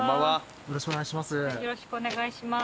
よろしくお願いします。